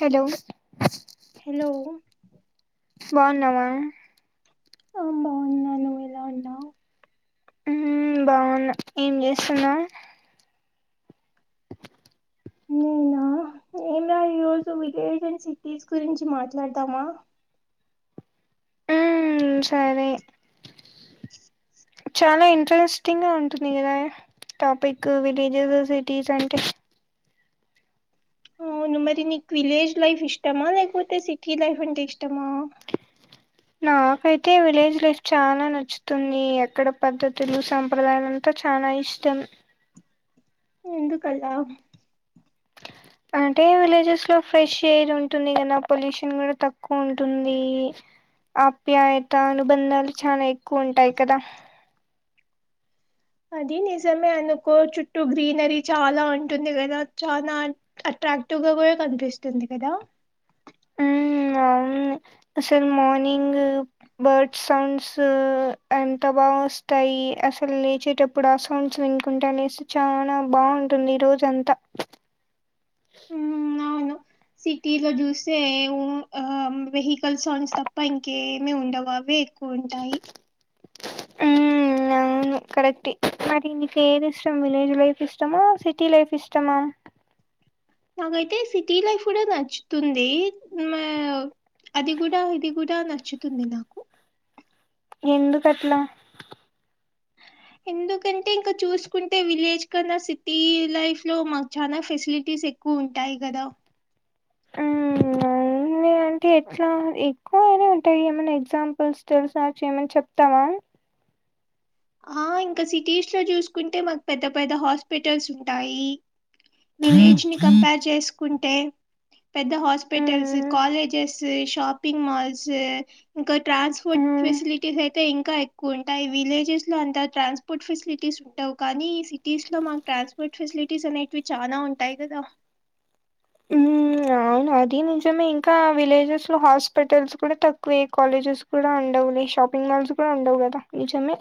Hello hello బాగున్నావా ఆ బాగున్నా నువ్వు ఎలా ఉన్నావు ఉమ్ బావున్నా ఏం చేస్తున్నావ్ నేనా ఏమిరా ఈరోజు విలేజ్ అండ్ సిటీస్ గురించి మాట్లాడదామా ఉమ్ సరే చాలా ఇంట్రెస్టింగ్ గా ఉంటుంది కదా టాపిక్ విలేజెస్ సిటీస్ అంటే అవును మరి నీకు విలేజ్ లైఫ్ ఇష్టమా లేకపోతే సిటీ లైఫ్ అంటే ఇష్టమా నాకైతే విలేజ్ లైఫ్ చాలా నచ్చుతుంది ఎక్కడ పద్ధతులు సంప్రదాయాలు ఇక చనా ఇష్టం ఎందుకు అలా అంటే విలేజెస్ లో ఫ్రెష్ ఎయిర్ ఉంటుంది కదా పొల్యూషన్ కూడా తక్కువ ఉంటుంది ఆప్యాయత అనుబంధాలు చాలా ఎక్కువ ఉంటాయి కదా అది నిజమే అనుకో చుట్టూ గ్రీనరీ చాలా ఉంటుంది కదా చాలా అట్రాక్టివ్ గా కూడా కనిపిస్తుంది కదా ఉమ్ అవును అసల్ మార్నింగ్ బర్డ్స్ సౌండ్స్ ఎంత బాగా వస్తాయి అసలు లేేచేటప్పు ఇప్పుడు ఆ సౌండ్స్ వినుకుంటే అనేసి చాల బావుంటుంది ఈ రోజు అంతా సిటీ లో చూస్తే ఆ వెహికల్స్ హార్న్స్ తప్ప ఇంకేమీ ఉండవు అవే ఉంటాయి ఉమ్ అవును కరెక్ట్ మరి నీకు ఏది ఇష్టం విలేజ్ లైఫ్ ఇష్టమా సిటీ లైఫ్ ఇష్టమా నాకైతే సిటీ లైఫ్ కూడా నచ్చుతుంది మా అది కూడా ఇది కూడా నచ్చుతుంది నాకు ఎందుకు అట్లా ఎందుకంటే ఇంకా చూసుకుంటే విలేజ్ కన్నా సిటీ లైఫ్ లో మాకు చానా ఫెసిలిటీస్ ఎ క్కువ ఉంటాయి కదా ఉమ్ అవునులే అయితే ఎట్లా ఎక్కువనే ఉంటాయి ఏమైన్నా ఎగ్జాంపుల్స్ తెలుసిన వచ్చ ఏమనా చెప్తావా ఆ ఇంకా సిటీస్ లో చూసుకుంటే మాకు పెద్ద పెద్ద హాస్పిటల్స్ ఉంటాయి హ్మ్ విలేజ్ ని కంపేర్ చేసుకుంటే పెద్ద హాస్పిటల్స్ కాలేజెస్ షాపింగ్ మాల్స్ ఇంకా ట్రాన్స్పోర్ట్ హ్మ్ ఫెసిలిటీస్ అయితే ఇంకా ఎక్కువ ఉంటాయి విలేజ్స్ ఊరు లో అంత ట్రాన్స్పోర్ట్ ఫెసిలిటీస్ ఉండవు కానీ ఈ సిటీస్ లో మాకు ట్రాన్స్పోర్ట్ ఫెసిలిటీస్ అనే వి చానా ఉంటాయి కదా ఉమ్ అవును అది నిజమే ఇంకా విలేజెస్ లో హాస్పిటల్స్ కూడా తక్కువే కాలేజెస్ కూడా ఉండవులే షాపింగ్ మాల్స్ కూడా ఉండవు కదా నిజమే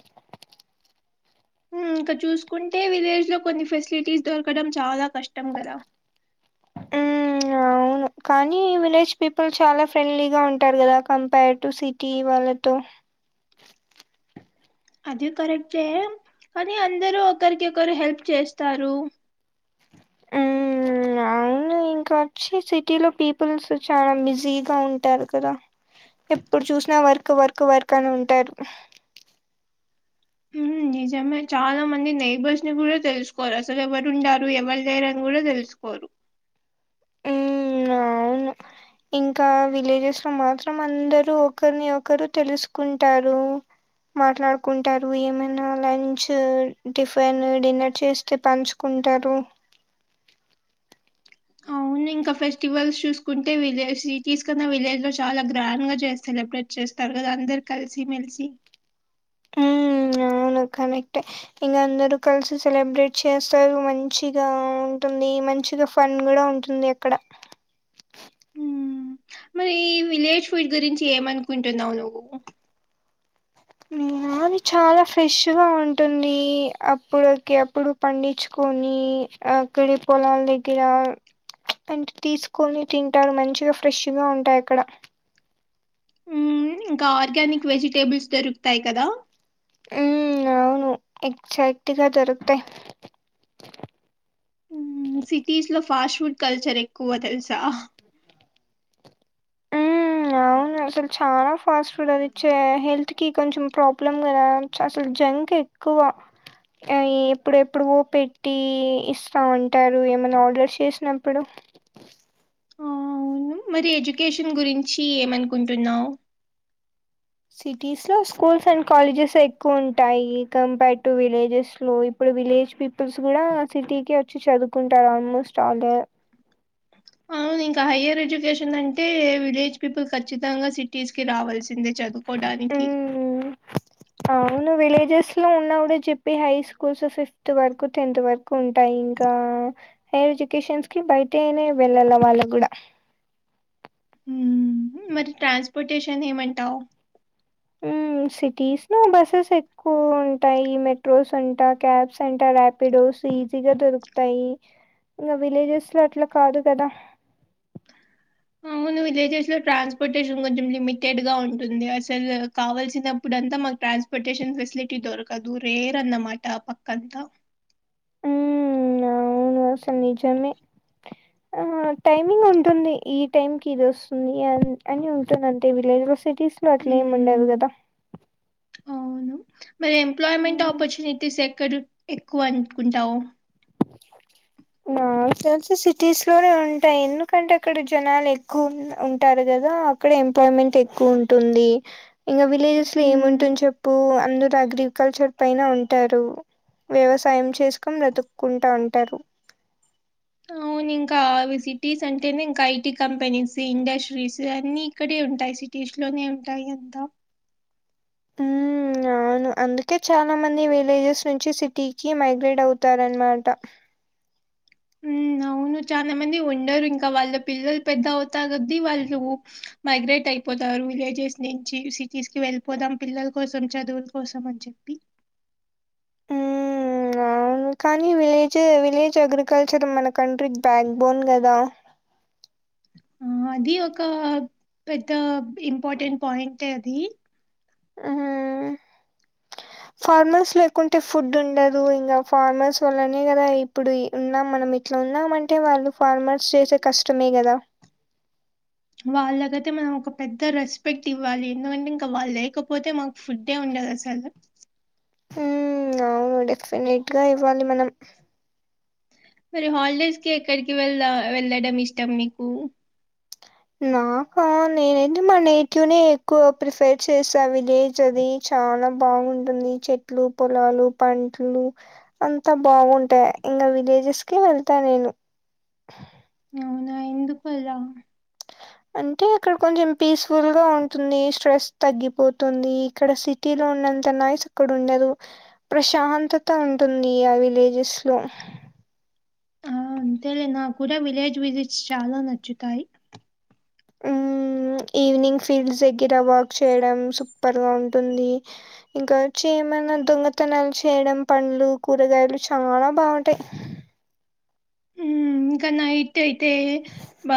ఇంక చూసుకుంటే విలేజ్ లో కొన్ని ఫెసిలిటీస్ దొరకడం చాలా కష్టం కదా ఉమ్ ఆ అవును కానీ విలేజ్ పీపుల్ చాలా ఫ్రెండ్లీగా ఉంటారు కదా కంపేర్ టు సిటీ వాళ్ళతో అది కరెక్టే కానీ అందరు ఒకరికి ఒకరు హెల్ప్ చేస్తారు ఉమ్ నా ఉం ఇంకా వచ్చి సిటీ లో పీపుల్స్ చాలా బిజీగా ఉంటారు కదా ఎప్పుడు చూసినా వర్క్ వర్క్ వర్క్ అని ఉంటారు నిజమే చాలా మంది నైబర్స్ ని కూడా తెలుసుకోవాలి అసలు ఎవరు ఉండారు ఎవరు లేరని కూడా తెలు సుకోరు ఉమ్ అవును ఇంకా విలేజెస్ లో మాత్రం అందరు ఒకరిని ఒకరు తెలుసుకుంటారు మాట్లాడుకుంటారు ఏమైనా లంచు టిఫిన్ డిన్నర్ చేస్తే పంచు కొంటారు అవును ఇంకా ఫెస్టివల్స్ చూసుకుంటే విలేజ్ సిటీస్ కన్నా విలేజ్ లో చాలా గ్రాండ్ గా చే సెలబ్రేట్ చేస్తరుగద అందరు కలిసి మెల్సి ఉమ్ అవును కనెక్ట్ ఏ ఇంగ అందరు కలిసి సెలబ్రేట్ చేస్తారు మంచిగా ఉంటుంది మంచిగా ఫన్ కూడా ఉంటుంది అక్కడ మ్మ్. మరి విలేజ్ ఫుడ్ గురించి ఏమనుకుంటున్నావు నువ్వు నీనా అది చాలా ఫ్రెష్గా ఉంటుంది అప్పుడకి అప్పుడు పండించుకొని అక్కడి పొలాలి దగ్గర అంటే తీసుకొని తింటారు మంచిగా ఫ్రెష్గా ఉంటాయి అక్కడ ఉమ్ ఇంకా ఆర్గానిక్ వెజిటేబుల్స్ దొరుకుతాయి కదా ఉమ్ అవును ఎక్సక్టుగా దొరుకుతాయి సిటీస్ లో ఫాస్ట్ ఫుడ్ కల్చర్ ఎక్కువ తెలుసా హ్మ్. అవును అసలు చాలా ఫాస్ట్ ఫుడ్ అది ఇచ్చే హెల్త్ కి కొంచెం ప్రాబ్లమ్ కదా అసలు జంక్ ఎక్ క్కువ ఆ ఎప్పుడు ఎప్పుడువో పెట్టి ఇస్తా ఉంటారు ఏమైనా ఆర్డర్ చేసినప్పుడు ఉం మరి ఎడ్యుకేషన్ గురించి ఏమనుకుంటున్నావు సిటీస్ లో స్కూల్స్ అండ్ కాలేజెస్ ఎక్కువ ఉంటాయి కంపేర్ టు విలేజెస్ లో ఇప్ ప్పుడు విలేజ్ పీపుల్స్ కూడా సిటీకే వచ్చి చదువుకుంటారు ఆల్మోస్ట్ ఆల్ అవును ఇంకా హైయర్ ఎడ్యుకేషన్ అంటే విలేజ్ పీపుల్ ఖచ్చితంగా సిటీస్ కి రావాల్సిందే చదువు కోడానికి హ్మ్. అవును విలేజెస్ లో ఉన్నా కూడా చెప్పి హై స్కూల్స్ ఫిఫ్త్ వరకు టెన్త్ వరకు ఉంటాయి ఇంకా హైయర్ ఎడ్యుకేషన్స్ కి బయటనే వెళ్ళాల వాళ్ళకి కూడా ఉమ్ మరి ట్రాన్స్పోర్టేషన్ ఏమంటావు ఉమ్ సిటీస్లో బస్సెస్ ఎక్కువ ఉంటయి మెట్రోస్ అంటా క్యాబ్స్ అంటా రా పిడోస్ ఈజీ గా దొరుకుతాయి ఇంగ విలేజెస్ లో అట్లా కాదు కదా అవును విలేజెస్ లో ట్రాన్స్పోర్టేషన్ కొంచెం లిమిటెడ్ గా ఉంటుంది అసలు కావల్సిన ప్పుడంతా మాకు ట్రాన్స్పోర్టేషన్ ఫెసిలిటీ దొరకదు రేర్ అన్నమాట పక్కంతా అది అసలు నిజమె ఆ టైమింగ్ ఉంటుంది ఈ టైమ్కి ఇది వస్తుంది అని ఉంటుంది అంటే విలేజ్లో సిటీస్ అట్లెం ఉండదు హ్మ్. కదా అవును మరి ఎంప్లయిమెంట్ హ్మ్. ఆపర్చనిటీస్ ఎ ఎక్కడ ఎక్కువ అంనుకుంటావు నాకు తెలిసి సిటీస్ లోనే ఉంటాయ్ ఎందుకంటే అక్కడ జనాలు ఎక్కు ఉంటారు కదా అక్కడ ఎంప్లాయ్మెంట్ ఎక్కువ ఉంటుంది ఇంగ విలేజెస్ లో హ్మ్. ఏముంటుంది చెప్పు అందరు అగ్రికల్చర్ పైన ఉంటారు వ్యవసాయం చేసుకొని బ్రతుక్కుంట ఉంటారు అవును ఇంకా సిటీస్ అంటేనే ఇంక ఐటీ కంపెనీస్ ఇండస్ట్రీస్ అన్ని ఇక్కడే ఉంటాయి సి లోనే ఉంటాయ్ అంత ఉ అవును అందుకే చాల మంది విలేజెస్ నుంచి సిటీకి మైగ్రేట్ అవుతారన్మాట హ్మ్. అవును చాల మంది ఉండరు ఇంకా వాళ్ళ పిల్లలు పెద్దవుతాకొద్ది వాళ్ళు మైగ్రేటైపోతారు విలేజెస్నుంచి సిటీస్కి వెళ్ళిపోదాం పిల్లల కోసం చదు కోసమని చెప్పి ఊ అవును కానీ విలేజ్ విలేజ్ అగ్రికల్చర్ మన కంట్రీకి బ్యాక్బోన్ కదా ఆ అది ఒక పెద్ద ఇంపార్టెంట్ పాయింటే అది ఆ ఫార్మర్స్ లేకుంటే ఫుడ్ ఉండదు ఇంగా ఫార్మర్స్ వల్లనే కదా ఇప్పుడు ఉన్నామనమి ఇట్ల ఉన్నామంటే వాళ్ళు ఫార్మర్స్ చేసే కష్టమే కదా వాళ్ళకైతే మనం ఒక పెద్ద రెస్పెక్ట్ ఇవ్వాలి ఎందుకంటే ఇంకా వాళ్ళు లేకపోతే మకు ఫుడే ఉండదు అసలు హు అవును డెఫినెట్గ ఇవ్వాలి మనం మీరు హాలిడేస్కి ఎక్కడికి [unintelligible] వెళ్ళడం ఇష్టం మీకు నాక నేనైతే మా నేటివ్నే ఎక్కువ ప్రిఫర్ చేస్త విలేజది చాన బాగుంటుంది చెట్లు పొలాలు పంట్లు అంత బాగుంటె ఇంకా విలేజెస్కి వెళ్తా నేను అవున ఎందుకు అలా అంటే అక్కడ కొంచెం పీస్ఫుల్గ ఉంటుంది స్ట్రెస్ తగ్గిపోతుంది ఇక్కడ సిటీలో ఉన్నంత నాయిస్ ఇక్కడ ఉండదు ప్రశాంతత ఉంటుంది ఆ విలేజెస్లో ఆ అంతేలే నా కూడ విలేజ్ విజిట్స్ చాల నచ్చుతాయి ఉహ్ ఈవినింగ్ ఫీల్డ్ దగ్గర వాక్ చేయడం సూపర్గ ఉంటుంది ఇంక చేయమన్నా దొంగతనాలు చేయడం పండ్లు కూరగాయలు చాల బాగుంటాయి ఇంకాఈ నైటైతే బ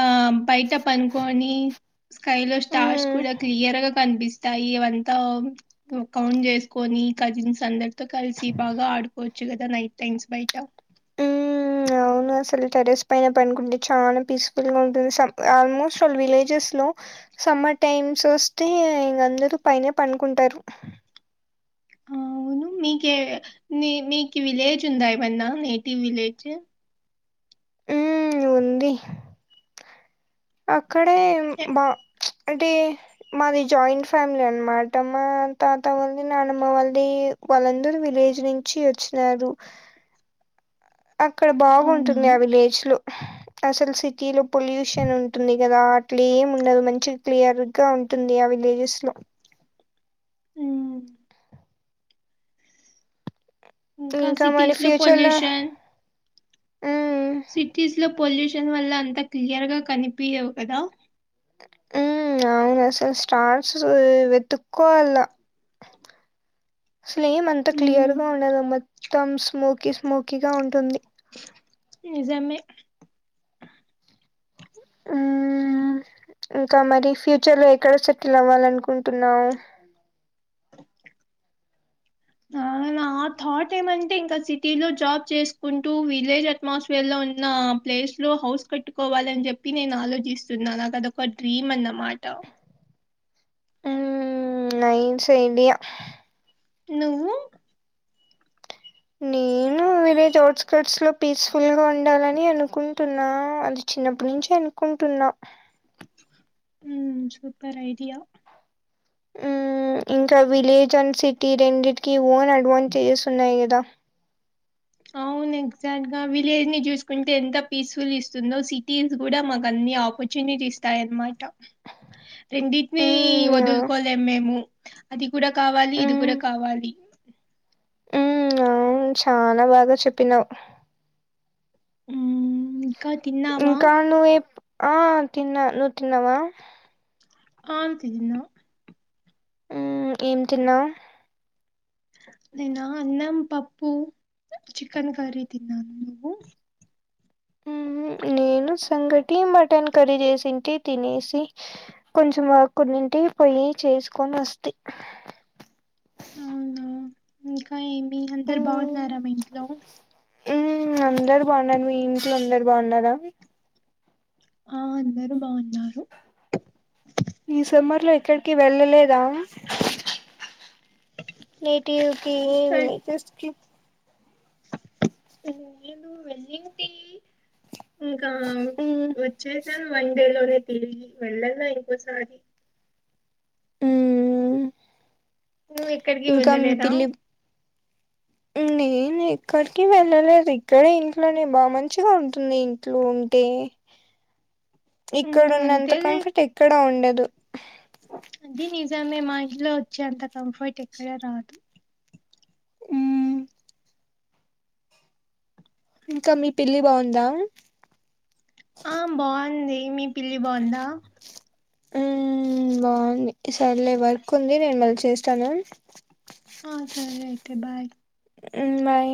బయట పనుకొని స్కైలో స్టార్స్ మ్మ్ కూడ క్లియర్గా కనిపిస్తాయి అవంత కౌంట్ చేస్కొని కజిన్స్ అందరితో కలిసి బాగ ఆడుకోచ్చు కదా నైట్ టైమ్స్ బయట ఉహ్ అవును అసలు టెరస్ పైన పనుకుంటే చాన పీస్ఫుల్గా ఉంటుంది ఆల్మోస్ట్ పీస్పుల్ విలేజెస్లో సమ్మర్ టైమ్స్ ఒస్తే ఇగ అందరూ పైనే పనుకుంటారు అవ్ను మీకే మీ మీకు విలేజ్ ఉందా ఏమన్న నేటివ్ విలేజ్ మ్మ్ ఉంది [inaudible] అక్కడే ఎ మా అంటే మాది జాయింట్ ఫ్యామిలీ అన్మాట మా తాత వాళ్ళది నానమ్మ వాళ్ళది వాళ్ళందరూ విలేజ్నుంచి వచ్చినారు అక్కడ అవునా? బాగుంటుంది ఆ విలేజ్లో అసలు సిటీలో పొల్యూషన్ ఉంటుంది కదా క్లీమ్ ఉండదు మంచి క్లియర్గా ఉంటుంది ఆ విలేజెస్లో ఆహ్ ఇంకా మరి సిటీస్‌లో ఫ్యూచర్లో పొల్యూషన్ సిటీస్లో పొల్యూషన్ వల్ల అంతా క్లియర్గా కనిపియవు కదా ఉమ్ అవును అసలు స్టార్స్ వెతుక్కోల అసలేం అంత హ్మ్. క్లియర్గా ఉండదు మొత్తం స్మోకీ స్మోకీగా ఉంటుంది నిజమే ఉమ్మ్ ఇంకా మరి ఫ్యూచర్లో ఎక్కడ సెటిల్ అవ్వాలనుకుంటున్నావు నా ఆ థాట్ ఏమంటే ఇంకా సిటీలో జాబ్ చేస్కుంటూ విలేజ్ అట్మాస్పియర్ లో ఉన్నా ప్లేస్ లో హౌస్ కట్టుకోవాలని జెప్పి నేను ఆలోచిస్తున్నా నాకదొక డ్రీమ్ అన్నమాట ఉమ్ నైస్ ఐడియా నువ్వు నేన్ ఊ విలేజ్ ఔట్స్కట్స్ లో పీస్ఫుల్ గా ఉండాలని అనుకుంటున్నా అది చిన్నప్పట్నుంచను కుంటున్నా ఉమ్ సూపర్ ఐడియా ఉమ్ ఇంకా విలేజ్ అండ్ సిటీ రెండిటికి ఓన్ అడ్వాంటేజెస్ ఉన్నాయి గదా అవును ఎగ్జాక్ట్ గా విలేజ్ ని జూస్కుంటే ఎంత పీస్ఫుల్ ఇస్తుందో సిటీస్ గూడా మాకన్ని ఆపర్చునిటీస్ టాయన్మాట రెండిట్నీ మ్మ్ ఆ ఒదులుకోలేం మేము అది కూడా కావాలి ఇది కూడా కావాలి ఉమ్ అవును చాలా బాగా చెప్పినావు ఆ ఇంకా నువ్వేం ఆ తిన్న నువ్ తిన్నవా ఆమ్ తిన్నా ఉమ్ ఏం తిన్నావు నేనా అన్నం పప్పు చికెన్ కర్రీ తిన్నాను నువ్వు ఉహు నేను సంగటి మటన్ కర్రీ జేసింటి తినేసి కొంచం అక్కడి నుంటి పోయి చేస్కొని వస్తి అవునా ఇంకా ఏమి అందరు బాగున్నారా మీ ఇంట్లో ఉమ్మ్ అందరు బావున్నారు మీ ఇంట్లో అందరు బావున్నారా ఆ అందరు బాగున్నారు ఈ సెమ్మర్ లో ఎక్కడికి వెళ్ళలేదా నేటివ్కి ఇక్కడ విలేజెస్కీ ఆ నేను వెల్లింటి ఇంకా మ్మ్ వచ్చేసాను వన్ డే లోనే తిరిగి వెళ్ళలే ఇంకోసారి నువ్వు ఎక్కడికి ఇంకం వెళ్ళలేదా పిల్లి ఉ నేను ఎక్కడికి వెళ్ళలేదు ఇక్కడే ఇంట్లోనే బా మంచిగా ఉంటుంది ఇంట్లో ఉంటే మ్మ్ ఇక్కడున్నంత అంతేలే కంఫర్ట్ ఎక్కడా ఉండదు అది నిజమే మా ఇంట్లో వచ్చేంత కంఫర్ట్ ఎక్కడా రాదు మ్మ్ ఇంకా మీ పిల్లి బాగుందా ఆ బావుంది మీ పిల్లి బావుందా ఉమ్ బావుంది సర్లే వర్కుంది నేను మల్ల చేస్తాను ఆ సరే అయితే బాయ్ ఉమ్ బాయ్